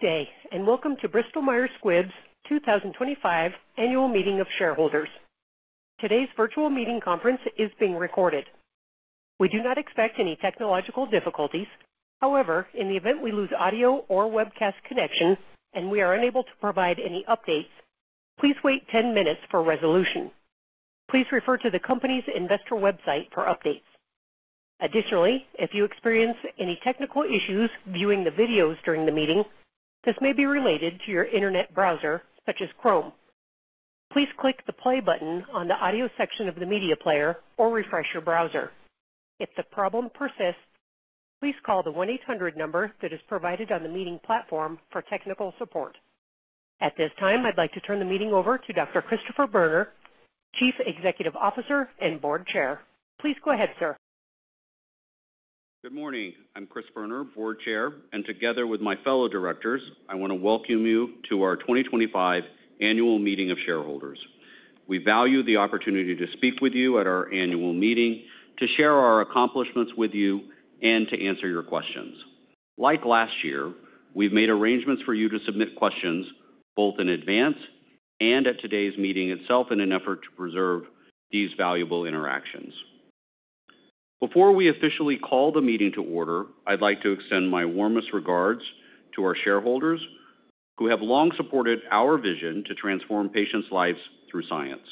Good day, and welcome to Bristol-Myers Squibb's 2025 Annual Meeting of Shareholders. Today's virtual meeting conference is being recorded. We do not expect any technological difficulties. However, in the event we lose audio or webcast connection and we are unable to provide any updates, please wait 10 minutes for resolution. Please refer to the company's investor website for updates. Additionally, if you experience any technical issues viewing the videos during the meeting, this may be related to your internet browser, such as Chrome. Please click the play button on the audio section of the media player or refresh your browser. If the problem persists, please call the 1-800 number that is provided on the meeting platform for technical support. At this time, I'd like to turn the meeting over to Dr. Christopher Boerner, Chief Executive Officer and Board Chair. Please go ahead, sir. Good morning. I'm Chris Boerner, Board Chair, and together with my fellow directors, I want to welcome you to our 2025 Annual Meeting of Shareholders. We value the opportunity to speak with you at our annual meeting, to share our accomplishments with you, and to answer your questions. Like last year, we've made arrangements for you to submit questions both in advance and at today's meeting itself in an effort to preserve these valuable interactions. Before we officially call the meeting to order, I'd like to extend my warmest regards to our shareholders who have long supported our vision to transform patients' lives through science.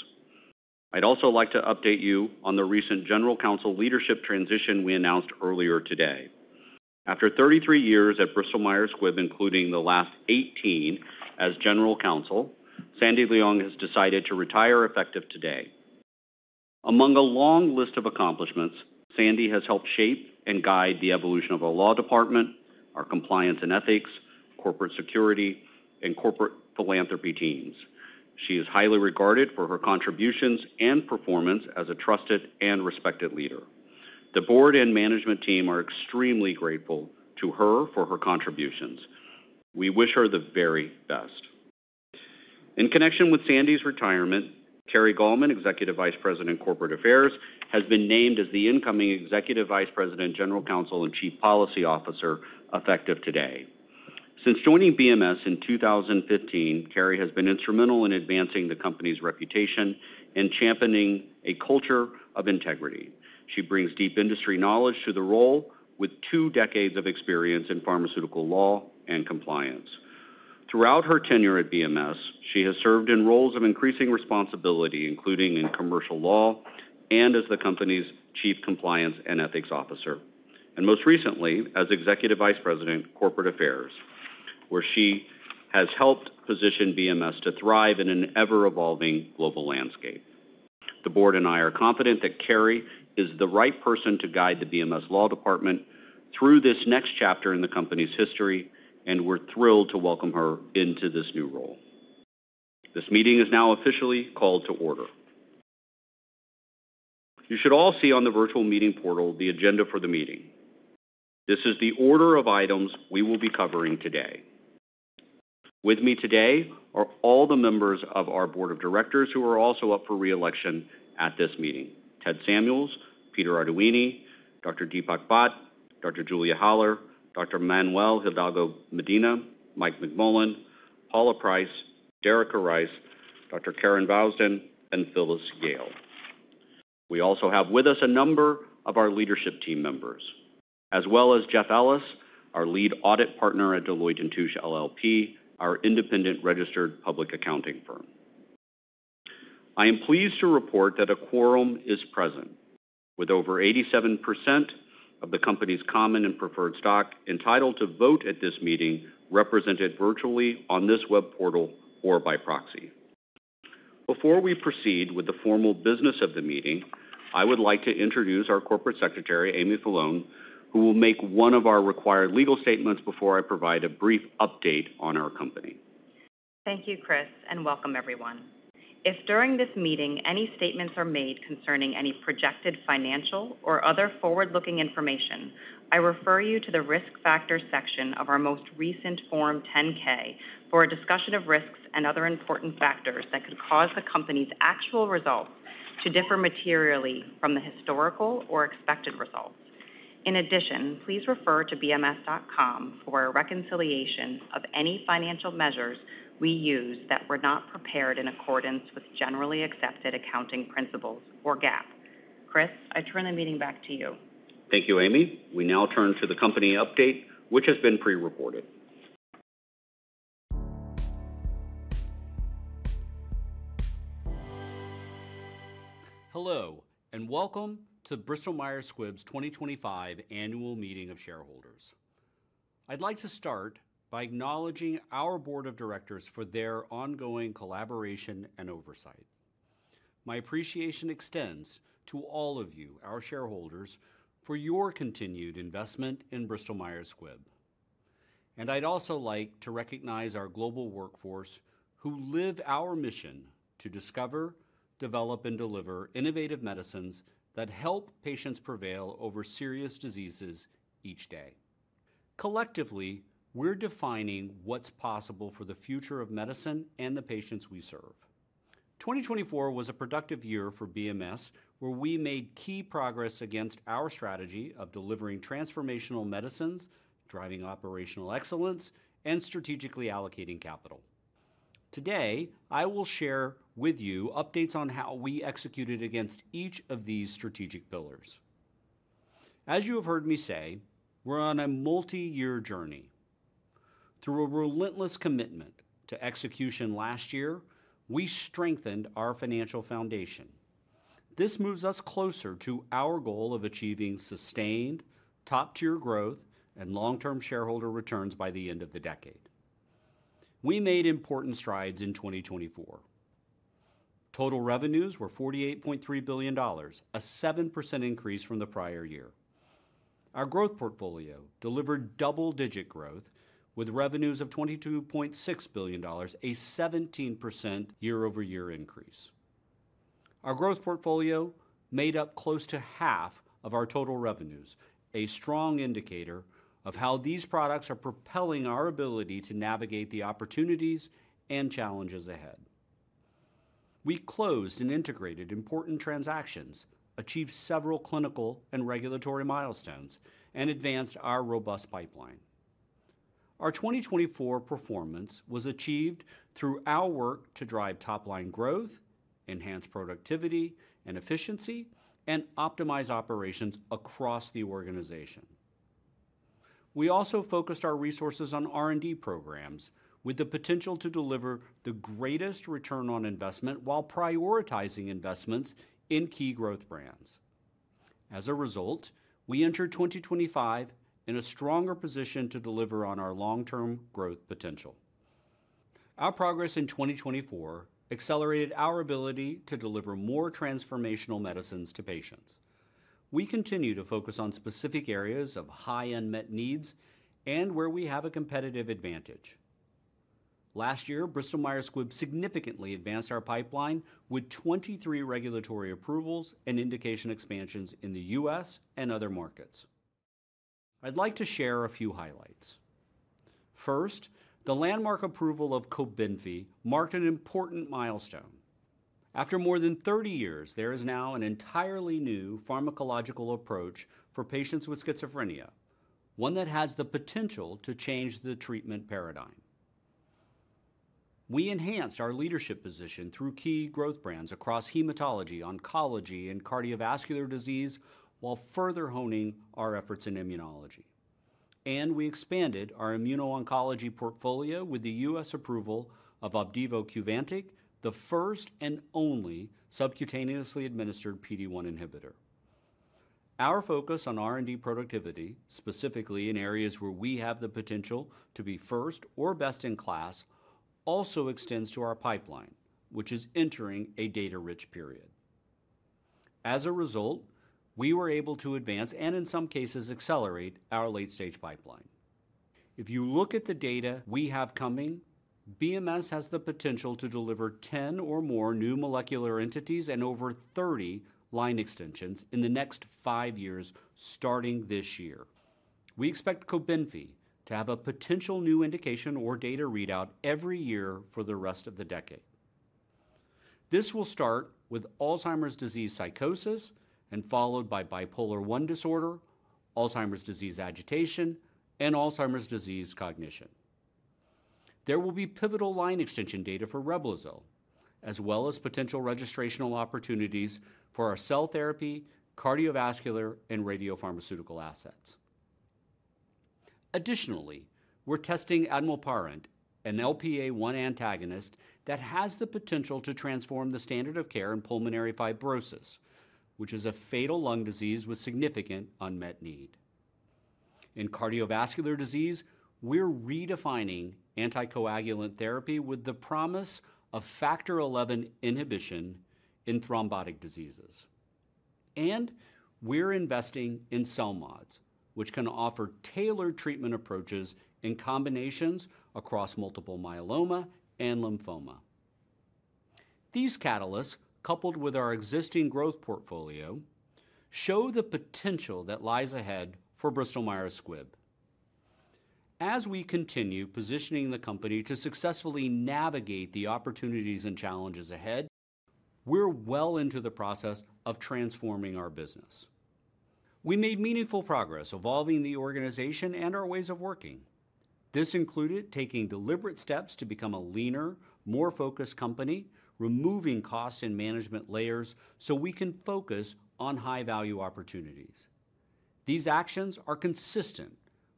I'd also like to update you on the recent general counsel leadership transition we announced earlier today. After 33 years at Bristol-Myers Squibb, including the last 18 as General Counsel, Sandy Leong has decided to retire effective today. Among a long list of accomplishments, Sandy has helped shape and guide the evolution of our law department, our compliance and ethics, corporate security, and corporate philanthropy teams. She is highly regarded for her contributions and performance as a trusted and respected leader. The board and management team are extremely grateful to her for her contributions. We wish her the very best. In connection with Sandy's retirement, Carrie Gollman, Executive Vice President, Corporate Affairs, has been named as the incoming Executive Vice President, General Counsel, and Chief Policy Officer effective today. Since joining BMS in 2015, Carrie has been instrumental in advancing the company's reputation and championing a culture of integrity. She brings deep industry knowledge to the role with two decades of experience in pharmaceutical law and compliance. Throughout her tenure at BMS, she has served in roles of increasing responsibility, including in commercial law and as the company's Chief Compliance and Ethics Officer, and most recently as Executive Vice President, Corporate Affairs, where she has helped position BMS to thrive in an ever-evolving global landscape. The board and I are confident that Carrie is the right person to guide the BMS law department through this next chapter in the company's history, and we're thrilled to welcome her into this new role. This meeting is now officially called to order. You should all see on the virtual meeting portal the agenda for the meeting. This is the order of items we will be covering today. With me today are all the members of our board of directors who are also up for reelection at this meeting: Ted Samuels, Peter Arduini, Dr. Deepak Bhatt, Dr. Julia Haller, Dr. Manuel Hidalgo Medina, Mike McMullen, Paula Price, Derica Rice, Dr. Karen Vooss, and Phyllis Yale. We also have with us a number of our leadership team members, as well as Jeff Ellis, our lead audit partner at Deloitte & Touche LLP, our independent registered public accounting firm. I am pleased to report that a quorum is present, with over 87% of the company's common and preferred stock entitled to vote at this meeting represented virtually on this web portal or by proxy. Before we proceed with the formal business of the meeting, I would like to introduce our Corporate Secretary, Amy Falone, who will make one of our required legal statements before I provide a brief update on our company. Thank you, Chris, and welcome, everyone. If during this meeting any statements are made concerning any projected financial or other forward-looking information, I refer you to the risk factor section of our most recent Form 10-K for a discussion of risks and other important factors that could cause the company's actual results to differ materially from the historical or expected results. In addition, please refer to bms.com for a reconciliation of any financial measures we use that were not prepared in accordance with generally accepted accounting principles or GAAP. Chris, I turn the meeting back to you. Thank you, Amy. We now turn to the company update, which has been pre-recorded. Hello, and welcome to Bristol-Myers Squibb's 2025 Annual Meeting of Shareholders. I'd like to start by acknowledging our Board of Directors for their ongoing collaboration and oversight. My appreciation extends to all of you, our shareholders, for your continued investment in Bristol-Myers Squibb. I would also like to recognize our global workforce who live our mission to discover, develop, and deliver innovative medicines that help patients prevail over serious diseases each day. Collectively, we're defining what's possible for the future of medicine and the patients we serve. 2024 was a productive year for BMS, where we made key progress against our strategy of delivering transformational medicines, driving operational excellence, and strategically allocating capital. Today, I will share with you updates on how we executed against each of these strategic pillars. As you have heard me say, we're on a multi-year journey. Through a relentless commitment to execution last year, we strengthened our financial foundation. This moves us closer to our goal of achieving sustained top-tier growth and long-term shareholder returns by the end of the decade. We made important strides in 2024. Total revenues were $48.3 billion, a 7% increase from the prior year. Our growth portfolio delivered double-digit growth with revenues of $22.6 billion, a 17% year-over-year increase. Our growth portfolio made up close to half of our total revenues, a strong indicator of how these products are propelling our ability to navigate the opportunities and challenges ahead. We closed and integrated important transactions, achieved several clinical and regulatory milestones, and advanced our robust pipeline. Our 2024 performance was achieved through our work to drive top-line growth, enhance productivity and efficiency, and optimize operations across the organization. We also focused our resources on R&D programs with the potential to deliver the greatest return on investment while prioritizing investments in key growth brands. As a result, we entered 2025 in a stronger position to deliver on our long-term growth potential. Our progress in 2024 accelerated our ability to deliver more transformational medicines to patients. We continue to focus on specific areas of high unmet needs and where we have a competitive advantage. Last year, Bristol-Myers Squibb significantly advanced our pipeline with 23 regulatory approvals and indication expansions in the U.S. and other markets. I'd like to share a few highlights. First, the landmark approval of Cobenfy marked an important milestone. After more than 30 years, there is now an entirely new pharmacological approach for patients with schizophrenia, one that has the potential to change the treatment paradigm. We enhanced our leadership position through key growth brands across hematology, oncology, and cardiovascular disease while further honing our efforts in immunology. We expanded our immuno-oncology portfolio with the U.S. approval of Opdivo Quvantic, the first and only subcutaneously administered PD-1 inhibitor. Our focus on R&D productivity, specifically in areas where we have the potential to be first or best in class, also extends to our pipeline, which is entering a data-rich period. As a result, we were able to advance and, in some cases, accelerate our late-stage pipeline. If you look at the data we have coming, BMS has the potential to deliver 10 or more new molecular entities and over 30 line extensions in the next five years starting this year. We expect Cobenfy to have a potential new indication or data readout every year for the rest of the decade. This will start with Alzheimer's disease psychosis and followed by bipolar I disorder, Alzheimer's disease agitation, and Alzheimer's disease cognition. There will be pivotal line extension data for Reblozyl, as well as potential registrational opportunities for our cell therapy, cardiovascular, and radiopharmaceutical assets. Additionally, we're testing Admilparent, an LPA1 antagonist that has the potential to transform the standard of care in pulmonary fibrosis, which is a fatal lung disease with significant unmet need. In cardiovascular disease, we're redefining anticoagulant therapy with the promise of Factor XI inhibition in thrombotic diseases. We're investing in cell mods, which can offer tailored treatment approaches and combinations across multiple myeloma and lymphoma. These catalysts, coupled with our existing growth portfolio, show the potential that lies ahead for Bristol-Myers Squibb. As we continue positioning the company to successfully navigate the opportunities and challenges ahead, we're well into the process of transforming our business. We made meaningful progress evolving the organization and our ways of working. This included taking deliberate steps to become a leaner, more focused company, removing cost and management layers so we can focus on high-value opportunities. These actions are consistent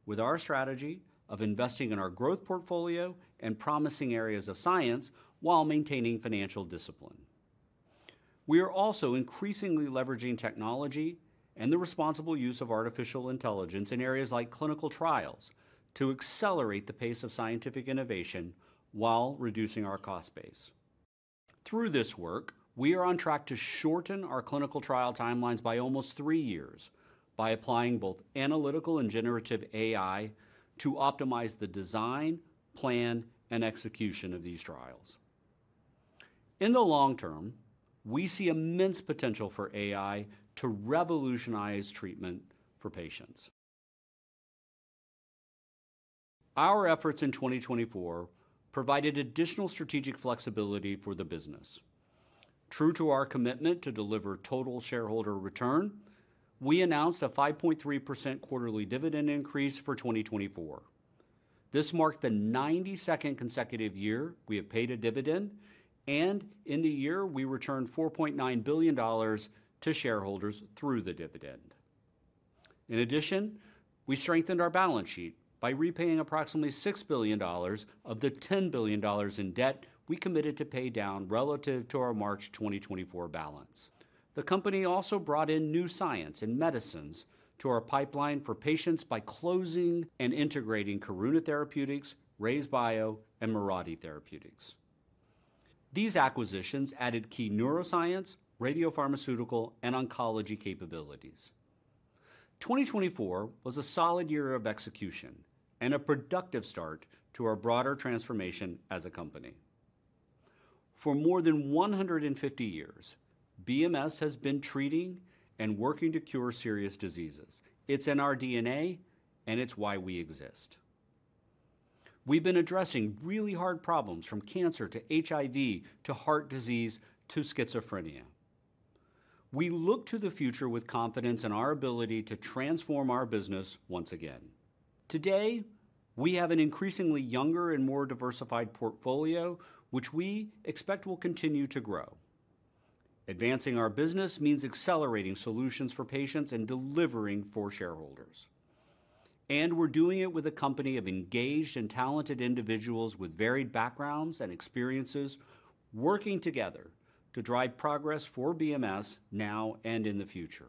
with our strategy of investing in our growth portfolio and promising areas of science while maintaining financial discipline. We are also increasingly leveraging technology and the responsible use of artificial intelligence in areas like clinical trials to accelerate the pace of scientific innovation while reducing our cost base. Through this work, we are on track to shorten our clinical trial timelines by almost three years by applying both analytical and generative AI to optimize the design, plan, and execution of these trials. In the long term, we see immense potential for AI to revolutionize treatment for patients. Our efforts in 2024 provided additional strategic flexibility for the business. True to our commitment to deliver total shareholder return, we announced a 5.3% quarterly dividend increase for 2024. This marked the 92nd consecutive year we have paid a dividend, and in the year, we returned $4.9 billion to shareholders through the dividend. In addition, we strengthened our balance sheet by repaying approximately $6 billion of the $10 billion in debt we committed to pay down relative to our March 2024 balance. The company also brought in new science and medicines to our pipeline for patients by closing and integrating Coruna Therapeutics, RaiseBio, and Mirati Therapeutics. These acquisitions added key neuroscience, radiopharmaceutical, and oncology capabilities. 2024 was a solid year of execution and a productive start to our broader transformation as a company. For more than 150 years, BMS has been treating and working to cure serious diseases. It's in our DNA, and it's why we exist. We've been addressing really hard problems from cancer to HIV to heart disease to schizophrenia. We look to the future with confidence in our ability to transform our business once again. Today, we have an increasingly younger and more diversified portfolio, which we expect will continue to grow. Advancing our business means accelerating solutions for patients and delivering for shareholders. We're doing it with a company of engaged and talented individuals with varied backgrounds and experiences working together to drive progress for BMS now and in the future.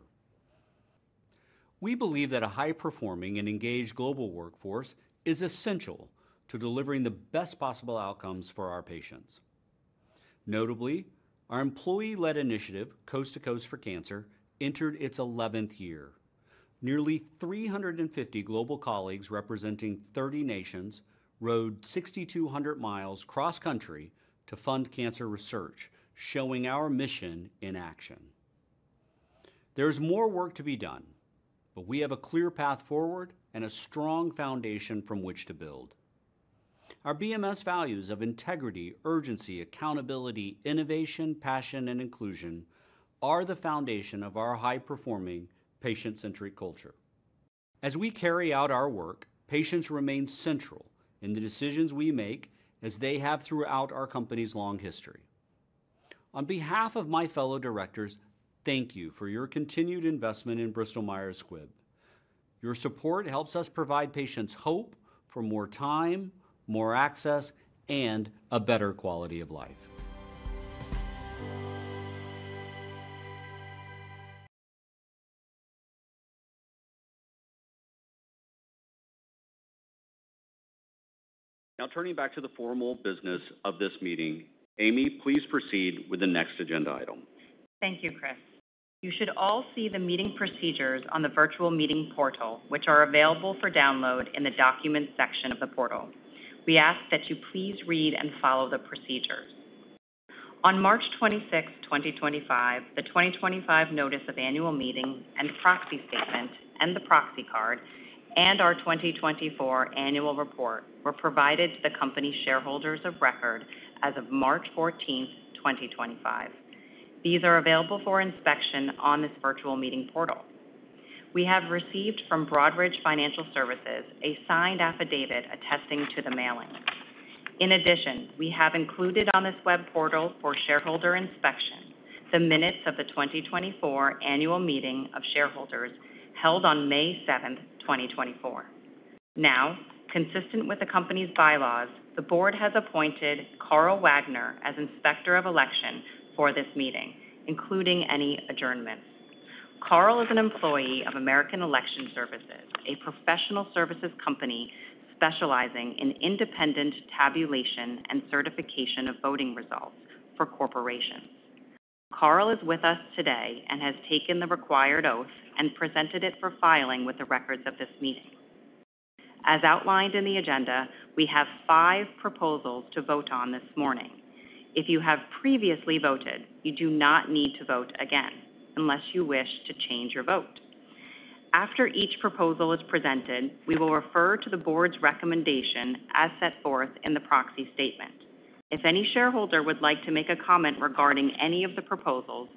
We believe that a high-performing and engaged global workforce is essential to delivering the best possible outcomes for our patients. Notably, our employee-led initiative, Coast to Coast for Cancer, entered its 11th year. Nearly 350 global colleagues representing 30 nations rode 6,200 miles cross-country to fund cancer research, showing our mission in action. There is more work to be done, but we have a clear path forward and a strong foundation from which to build. Our BMS values of integrity, urgency, accountability, innovation, passion, and inclusion are the foundation of our high-performing, patient-centric culture. As we carry out our work, patients remain central in the decisions we make, as they have throughout our company's long history. On behalf of my fellow directors, thank you for your continued investment in Bristol-Myers Squibb. Your support helps us provide patients hope for more time, more access, and a better quality of life. Now, turning back to the formal business of this meeting, Amy, please proceed with the next agenda item. Thank you, Chris. You should all see the meeting procedures on the virtual meeting portal, which are available for download in the document section of the portal. We ask that you please read and follow the procedures. On March 26, 2025, the 2025 Notice of Annual Meeting and Proxy Statement and the Proxy Card and our 2024 Annual Report were provided to the company shareholders of record as of March 14, 2025. These are available for inspection on this virtual meeting portal. We have received from Broadridge Financial Services a signed affidavit attesting to the mailing. In addition, we have included on this web portal for shareholder inspection the minutes of the 2024 Annual Meeting of Shareholders held on May 7, 2024. Now, consistent with the company's bylaws, the board has appointed Carl Wagner as inspector of election for this meeting, including any adjournments. Carl is an employee of American Election Services, a professional services company specializing in independent tabulation and certification of voting results for corporations. Carl is with us today and has taken the required oath and presented it for filing with the records of this meeting. As outlined in the agenda, we have five proposals to vote on this morning. If you have previously voted, you do not need to vote again unless you wish to change your vote. After each proposal is presented, we will refer to the board's recommendation as set forth in the proxy statement. If any shareholder would like to make a comment regarding any of the proposals,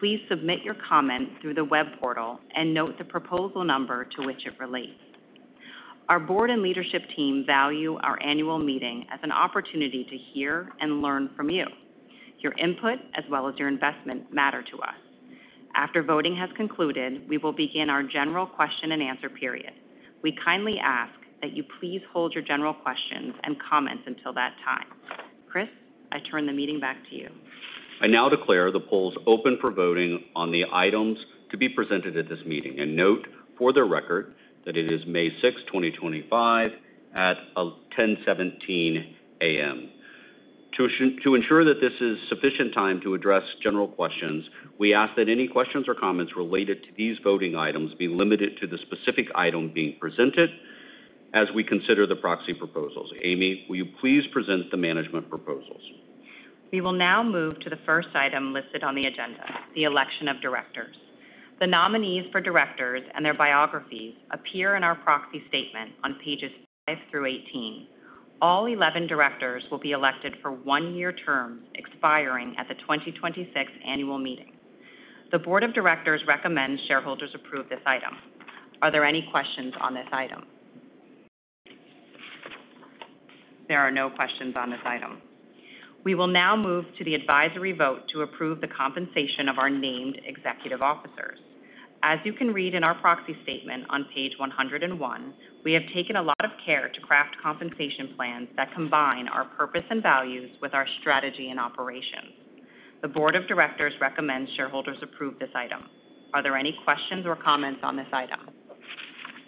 please submit your comment through the web portal and note the proposal number to which it relates. Our board and leadership team value our annual meeting as an opportunity to hear and learn from you. Your input, as well as your investment, matter to us. After voting has concluded, we will begin our general question-and-answer period. We kindly ask that you please hold your general questions and comments until that time. Chris, I turn the meeting back to you. I now declare the polls open for voting on the items to be presented at this meeting and note for the record that it is May 6, 2025, at 10:17 A.M. To ensure that this is sufficient time to address general questions, we ask that any questions or comments related to these voting items be limited to the specific item being presented as we consider the proxy proposals. Amy, will you please present the management proposals? We will now move to the first item listed on the agenda, the election of directors. The nominees for directors and their biographies appear in our proxy statement on pages 5 through 18. All 11 directors will be elected for one-year terms expiring at the 2026 Annual Meeting. The board of directors recommends shareholders approve this item. Are there any questions on this item? There are no questions on this item. We will now move to the advisory vote to approve the compensation of our named executive officers. As you can read in our proxy statement on page 101, we have taken a lot of care to craft compensation plans that combine our purpose and values with our strategy and operations. The board of directors recommends shareholders approve this item. Are there any questions or comments on this item?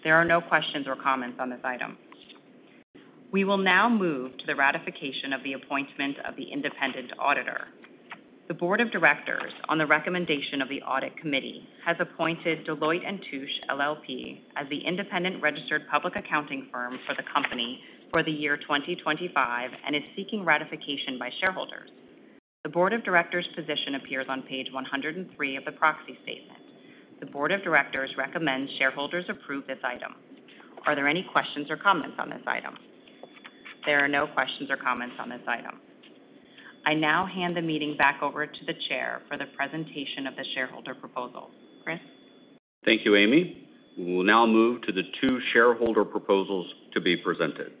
There are no questions or comments on this item. We will now move to the ratification of the appointment of the independent auditor. The board of directors, on the recommendation of the audit committee, has appointed Deloitte & Touche LLP as the independent registered public accounting firm for the company for the year 2025 and is seeking ratification by shareholders. The board of directors' position appears on page 103 of the proxy statement. The board of directors recommends shareholders approve this item. Are there any questions or comments on this item? There are no questions or comments on this item. I now hand the meeting back over to the chair for the presentation of the shareholder proposals. Chris? Thank you, Amy. We will now move to the two shareholder proposals to be presented.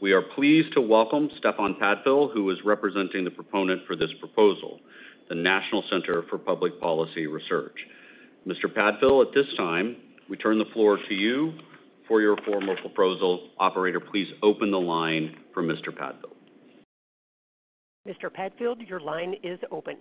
We are pleased to welcome Stefan Padfield, who is representing the proponent for this proposal, the National Center for Public Policy Research. Mr. Padfield, at this time, we turn the floor to you for your formal proposal. Operator, please open the line for Mr. Padfield. Mr. Padfield, your line is open.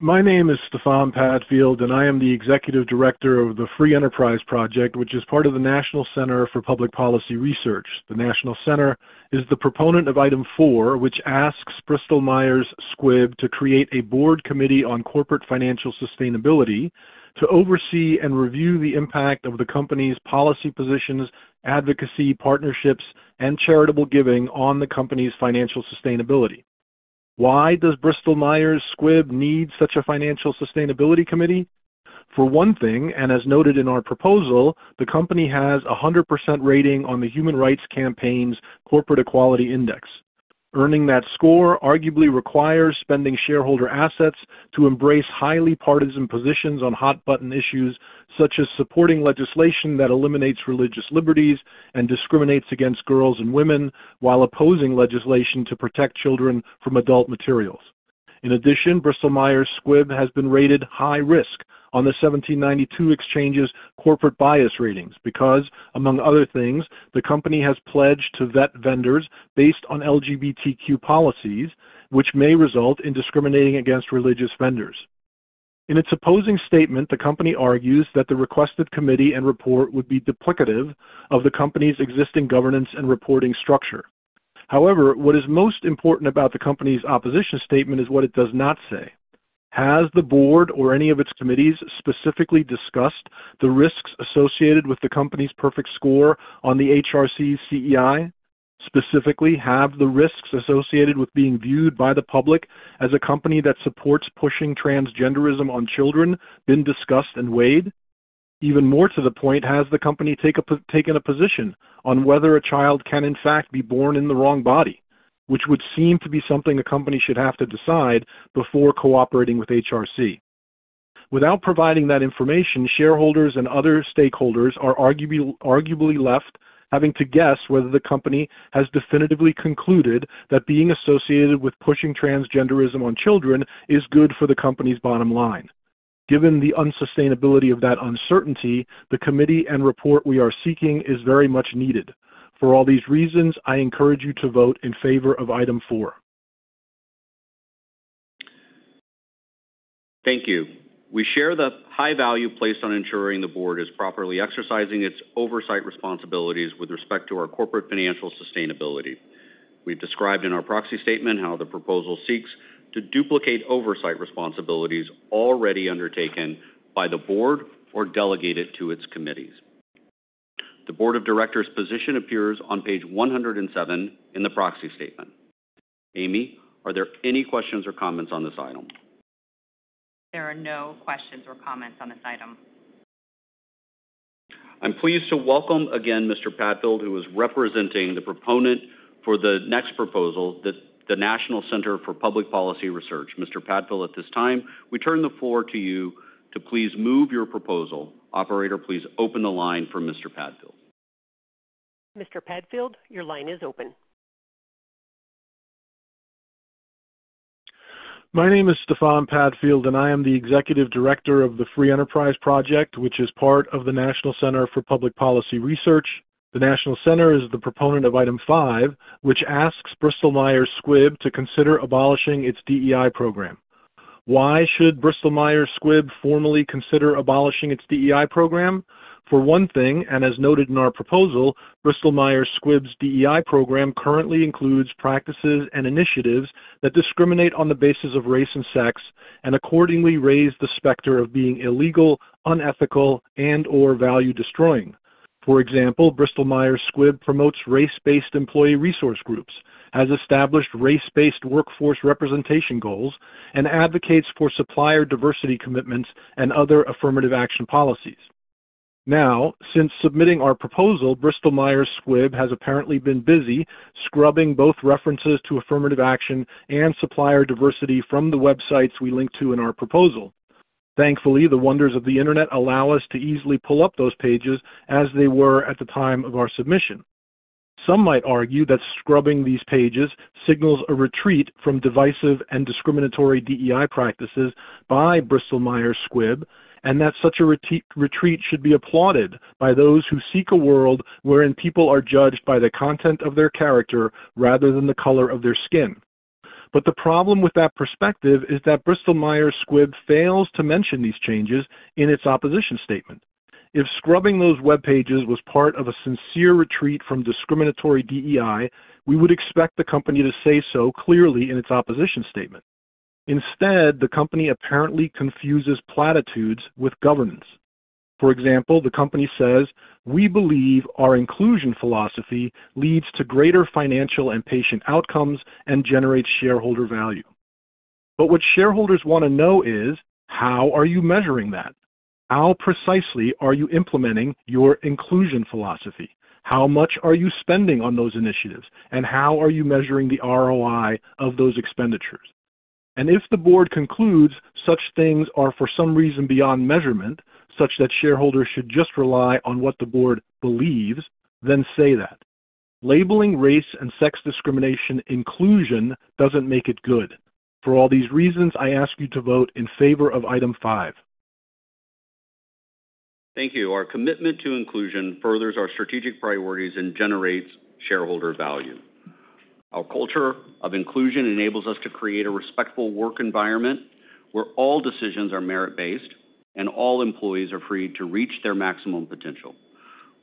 My name is Stefan Padfield, and I am the Executive Director of the Free Enterprise Project, which is part of the National Center for Public Policy Research. The National Center is the proponent of item 4, which asks Bristol-Myers Squibb to create a board committee on corporate financial sustainability to oversee and review the impact of the company's policy positions, advocacy, partnerships, and charitable giving on the company's financial sustainability. Why does Bristol-Myers Squibb need such a financial sustainability committee? For one thing, and as noted in our proposal, the company has a 100% rating on the Human Rights Campaign's Corporate Equality Index. Earning that score arguably requires spending shareholder assets to embrace highly partisan positions on hot-button issues such as supporting legislation that eliminates religious liberties and discriminates against girls and women while opposing legislation to protect children from adult materials. In addition, Bristol-Myers Squibb has been rated high risk on the 1792 Exchange's corporate bias ratings because, among other things, the company has pledged to vet vendors based on LGBTQ policies, which may result in discriminating against religious vendors. In its opposing statement, the company argues that the requested committee and report would be duplicative of the company's existing governance and reporting structure. However, what is most important about the company's opposition statement is what it does not say. Has the board or any of its committees specifically discussed the risks associated with the company's perfect score on the HRC CEI? Specifically, have the risks associated with being viewed by the public as a company that supports pushing transgenderism on children been discussed and weighed? Even more to the point, has the company taken a position on whether a child can, in fact, be born in the wrong body, which would seem to be something a company should have to decide before cooperating with HRC? Without providing that information, shareholders and other stakeholders are arguably left having to guess whether the company has definitively concluded that being associated with pushing transgenderism on children is good for the company's bottom line. Given the unsustainability of that uncertainty, the committee and report we are seeking is very much needed. For all these reasons, I encourage you to vote in favor of item 4. Thank you. We share the high value placed on ensuring the board is properly exercising its oversight responsibilities with respect to our corporate financial sustainability. We've described in our proxy statement how the proposal seeks to duplicate oversight responsibilities already undertaken by the board or delegate it to its committees. The board of directors' position appears on page 107 in the proxy statement. Amy, are there any questions or comments on this item? There are no questions or comments on this item. I'm pleased to welcome again Mr. Padfield, who is representing the proponent for the next proposal, the National Center for Public Policy Research. Mr. Padfield, at this time, we turn the floor to you to please move your proposal. Operator, please open the line for Mr. Padfield. Mr. Padfield, your line is open. My name is Stefan Padfield, and I am the Executive Director of the Free Enterprise Project, which is part of the National Center for Public Policy Research. The National Center is the proponent of item 5, which asks Bristol-Myers Squibb to consider abolishing its DEI program. Why should Bristol-Myers Squibb formally consider abolishing its DEI program? For one thing, and as noted in our proposal, Bristol-Myers Squibb's DEI program currently includes practices and initiatives that discriminate on the basis of race and sex and accordingly raise the specter of being illegal, unethical, and/or value-destroying. For example, Bristol-Myers Squibb promotes race-based employee resource groups, has established race-based workforce representation goals, and advocates for supplier diversity commitments and other affirmative action policies. Now, since submitting our proposal, Bristol-Myers Squibb has apparently been busy scrubbing both references to affirmative action and supplier diversity from the websites we link to in our proposal. Thankfully, the wonders of the internet allow us to easily pull up those pages as they were at the time of our submission. Some might argue that scrubbing these pages signals a retreat from divisive and discriminatory DEI practices by Bristol-Myers Squibb and that such a retreat should be applauded by those who seek a world wherein people are judged by the content of their character rather than the color of their skin. The problem with that perspective is that Bristol-Myers Squibb fails to mention these changes in its opposition statement. If scrubbing those web pages was part of a sincere retreat from discriminatory DEI, we would expect the company to say so clearly in its opposition statement. Instead, the company apparently confuses platitudes with governance. For example, the company says, "We believe our inclusion philosophy leads to greater financial and patient outcomes and generates shareholder value." What shareholders want to know is, how are you measuring that? How precisely are you implementing your inclusion philosophy? How much are you spending on those initiatives? How are you measuring the ROI of those expenditures? If the board concludes such things are for some reason beyond measurement, such that shareholders should just rely on what the board believes, then say that. Labeling race and sex discrimination inclusion does not make it good. For all these reasons, I ask you to vote in favor of item 5. Thank you. Our commitment to inclusion furthers our strategic priorities and generates shareholder value. Our culture of inclusion enables us to create a respectful work environment where all decisions are merit-based and all employees are free to reach their maximum potential.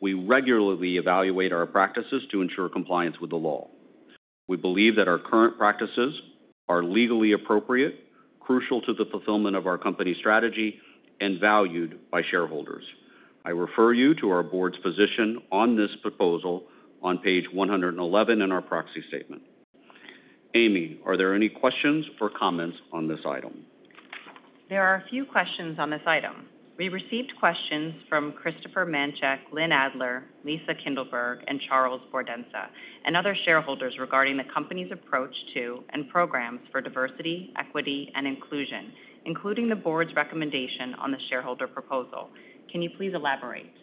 We regularly evaluate our practices to ensure compliance with the law. We believe that our current practices are legally appropriate, crucial to the fulfillment of our company strategy, and valued by shareholders. I refer you to our board's position on this proposal on page 111 in our proxy statement. Amy, are there any questions or comments on this item? There are a few questions on this item. We received questions from Christopher Manchak, Lynelle Adler, Lisa Kindleberg, and Charles Bordensa, and other shareholders regarding the company's approach to and programs for diversity, equity, and inclusion, including the board's recommendation on the shareholder proposal. Can you please elaborate?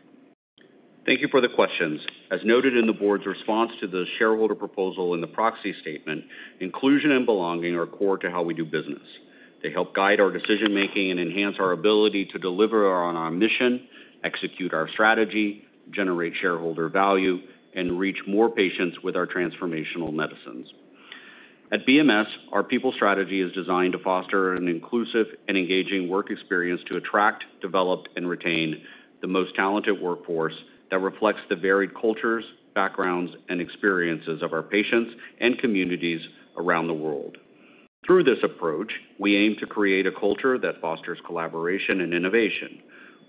Thank you for the questions. As noted in the board's response to the shareholder proposal in the proxy statement, inclusion and belonging are core to how we do business. They help guide our decision-making and enhance our ability to deliver on our mission, execute our strategy, generate shareholder value, and reach more patients with our transformational medicines. At BMS, our people strategy is designed to foster an inclusive and engaging work experience to attract, develop, and retain the most talented workforce that reflects the varied cultures, backgrounds, and experiences of our patients and communities around the world. Through this approach, we aim to create a culture that fosters collaboration and innovation,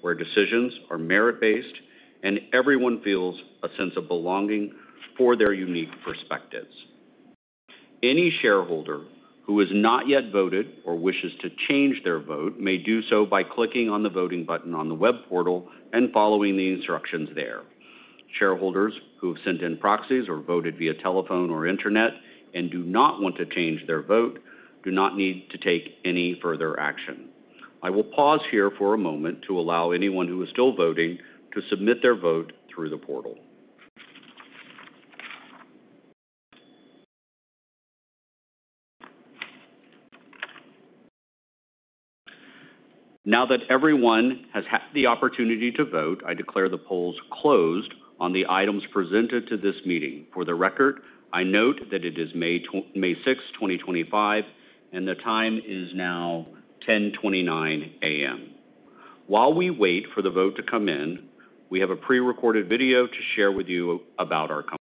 where decisions are merit-based and everyone feels a sense of belonging for their unique perspectives. Any shareholder who has not yet voted or wishes to change their vote may do so by clicking on the voting button on the web portal and following the instructions there. Shareholders who have sent in proxies or voted via telephone or internet and do not want to change their vote do not need to take any further action. I will pause here for a moment to allow anyone who is still voting to submit their vote through the portal. Now that everyone has had the opportunity to vote, I declare the polls closed on the items presented to this meeting. For the record, I note that it is May 6, 2025, and the time is now 10:29 A.M. While we wait for the vote to come in, we have a prerecorded video to share with you about our company.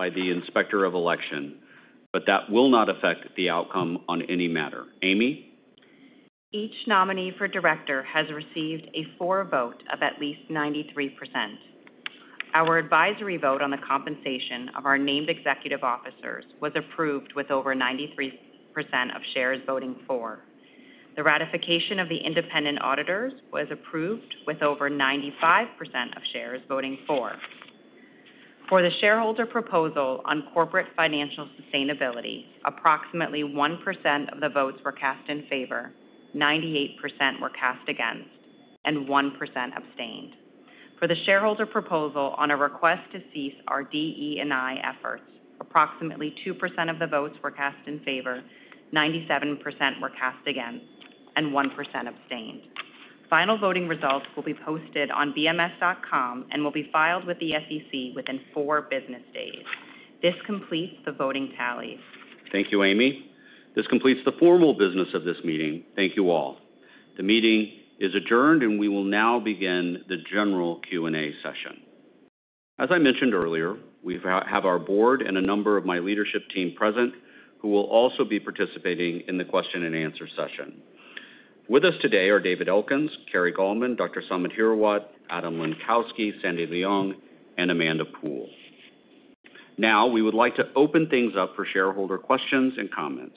By the inspector of election, that will not affect the outcome on any matter. Amy? Each nominee for director has received a vote of at least 93%. Our advisory vote on the compensation of our named executive officers was approved with over 93% of shares voting for. The ratification of the independent auditors was approved with over 95% of shares voting for. For the shareholder proposal on corporate financial sustainability, approximately 1% of the votes were cast in favor, 98% were cast against, and 1% abstained. For the shareholder proposal on a request to cease our DEI efforts, approximately 2% of the votes were cast in favor, 97% were cast against, and 1% abstained. Final voting results will be posted on bms.com and will be filed with the SEC within four business days. This completes the voting tally. Thank you, Amy. This completes the formal business of this meeting. Thank you all. The meeting is adjourned, and we will now begin the general Q&A session. As I mentioned earlier, we have our board and a number of my leadership team present who will also be participating in the question-and-answer session. With us today are David Elkins, Carrie Gollman, Dr. Samit Hirawat, Adam Lenkowsky, Sandy Leong, and Amanda Poole. Now, we would like to open things up for shareholder questions and comments.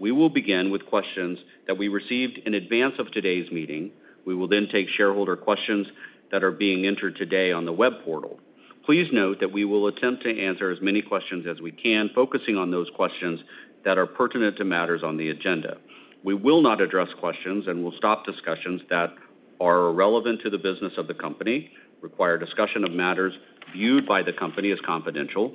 We will begin with questions that we received in advance of today's meeting. We will then take shareholder questions that are being entered today on the web portal. Please note that we will attempt to answer as many questions as we can, focusing on those questions that are pertinent to matters on the agenda. We will not address questions and will stop discussions that are irrelevant to the business of the company, require discussion of matters viewed by the company as confidential,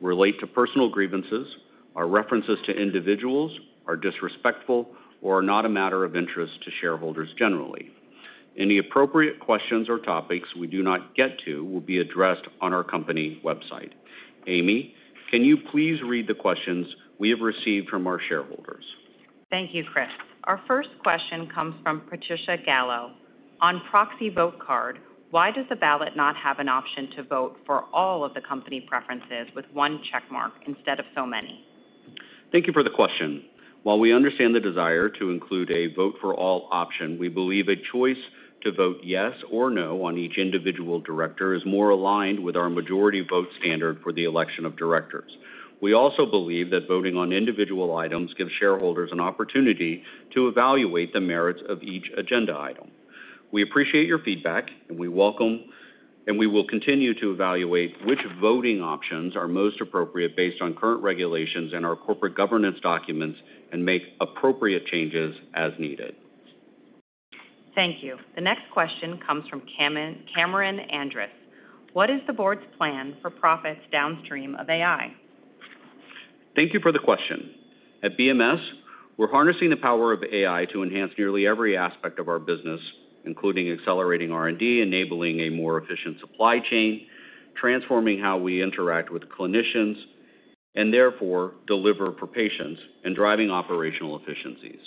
relate to personal grievances, are references to individuals, are disrespectful, or are not a matter of interest to shareholders generally. Any appropriate questions or topics we do not get to will be addressed on our company website. Amy, can you please read the questions we have received from our shareholders? Thank you, Chris. Our first question comes from Patricia Gallo. On proxy vote card, why does the ballot not have an option to vote for all of the company preferences with one checkmark instead of so many? Thank you for the question. While we understand the desire to include a vote-for-all option, we believe a choice to vote yes or no on each individual director is more aligned with our majority vote standard for the election of directors. We also believe that voting on individual items gives shareholders an opportunity to evaluate the merits of each agenda item. We appreciate your feedback, and we will continue to evaluate which voting options are most appropriate based on current regulations and our corporate governance documents and make appropriate changes as needed. Thank you. The next question comes from Cameron Andris. What is the board's plan for profits downstream of AI? Thank you for the question. At BMS, we're harnessing the power of AI to enhance nearly every aspect of our business, including accelerating R&D, enabling a more efficient supply chain, transforming how we interact with clinicians, and therefore deliver for patients, and driving operational efficiencies.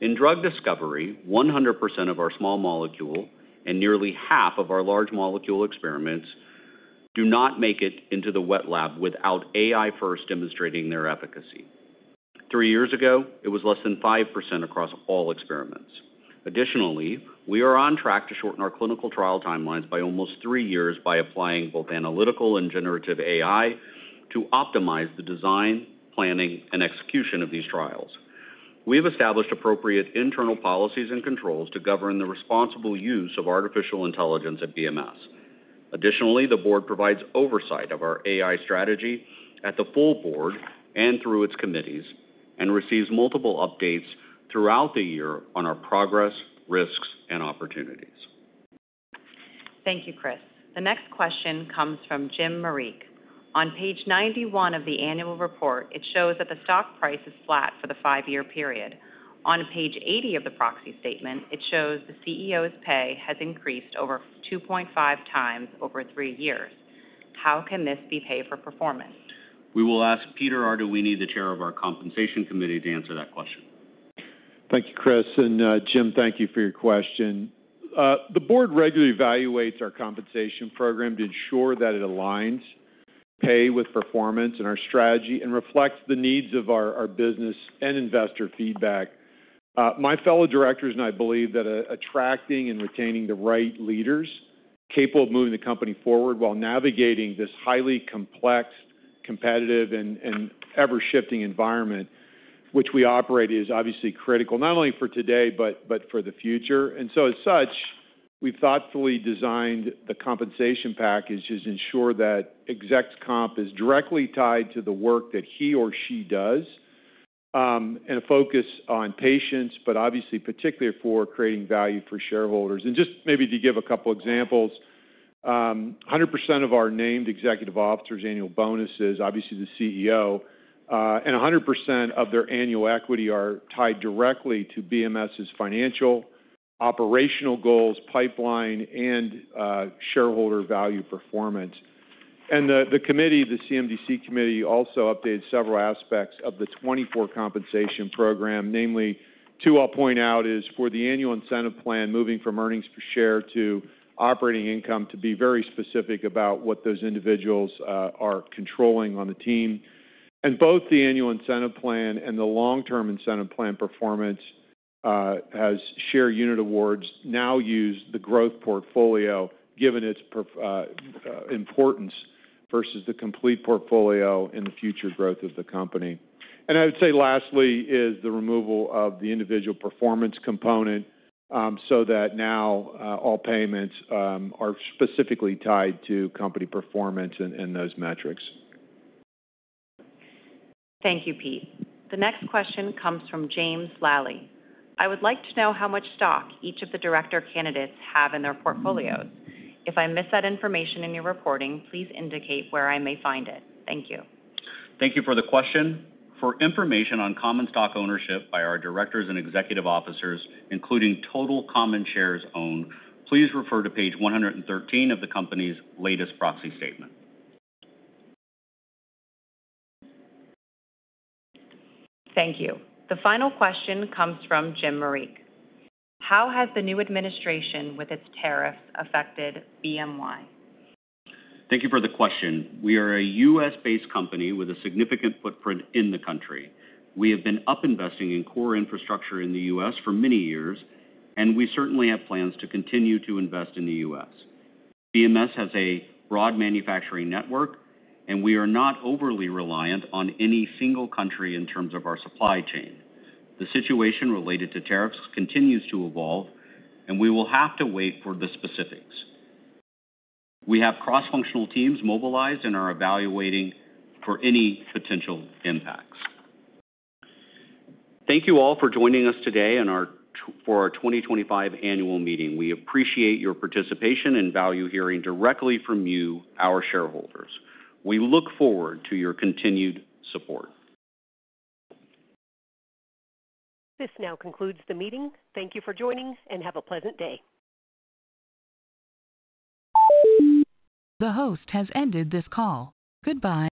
In drug discovery, 100% of our small molecule and nearly half of our large molecule experiments do not make it into the wet lab without AI first demonstrating their efficacy. Three years ago, it was less than 5% across all experiments. Additionally, we are on track to shorten our clinical trial timelines by almost three years by applying both analytical and generative AI to optimize the design, planning, and execution of these trials. We have established appropriate internal policies and controls to govern the responsible use of artificial intelligence at BMS. Additionally, the board provides oversight of our AI strategy at the full board and through its committees and receives multiple updates throughout the year on our progress, risks, and opportunities. Thank you, Chris. The next question comes from Jim Merrick. On page 91 of the annual report, it shows that the stock price is flat for the five-year period. On page 80 of the proxy statement, it shows the CEO's pay has increased over 2.5 times over three years. How can this be paid for performance? We will ask Peter Arduini, the Chair of our Compensation Committee, to answer that question. Thank you, Chris. And Jim, thank you for your question. The board regularly evaluates our compensation program to ensure that it aligns pay with performance and our strategy and reflects the needs of our business and investor feedback. My fellow directors and I believe that attracting and retaining the right leaders capable of moving the company forward while navigating this highly complex, competitive, and ever-shifting environment, which we operate is obviously critical, not only for today, but for the future. As such, we've thoughtfully designed the compensation package to ensure that execs comp is directly tied to the work that he or she does and a focus on patients, but obviously particularly for creating value for shareholders. Just maybe to give a couple of examples, 100% of our named executive officers' annual bonuses, obviously the CEO, and 100% of their annual equity are tied directly to BMS's financial, operational goals, pipeline, and shareholder value performance. The committee, the CMDC committee, also updated several aspects of the 2024 compensation program, namely two I'll point out is for the annual incentive plan moving from earnings per share to operating income to be very specific about what those individuals are controlling on the team. Both the annual incentive plan and the long-term incentive plan performance has share unit awards now use the growth portfolio given its importance versus the complete portfolio and the future growth of the company. I would say lastly is the removal of the individual performance component so that now all payments are specifically tied to company performance and those metrics. Thank you, Pete. The next question comes from James Lally. I would like to know how much stock each of the director candidates have in their portfolios. If I miss that information in your reporting, please indicate where I may find it. Thank you. Thank you for the question. For information on common stock ownership by our directors and executive officers, including total common shares owned, please refer to page 113 of the company's latest proxy statement. Thank you. The final question comes from Jim Merrick. How has the new administration with its tariffs affected BMY? Thank you for the question. We are a U.S.-based company with a significant footprint in the country. We have been investing in core infrastructure in the U.S. for many years, and we certainly have plans to continue to invest in the U.S. BMS has a broad manufacturing network, and we are not overly reliant on any single country in terms of our supply chain. The situation related to tariffs continues to evolve, and we will have to wait for the specifics. We have cross-functional teams mobilized and are evaluating for any potential impacts. Thank you all for joining us today for our 2025 annual meeting. We appreciate your participation and value hearing directly from you, our shareholders. We look forward to your continued support. This now concludes the meeting. Thank you for joining and have a pleasant day. The host has ended this call. Goodbye.